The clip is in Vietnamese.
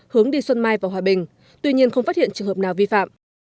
hướng đi xuân mai và hòa bình tuy nhiên không phát hiện trường hợp nào vi phạm